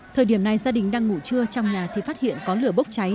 thời điểm này gia đình đang ngủ trưa trong nhà thì phát hiện có lửa bốc cháy